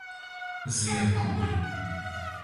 Sehr cool.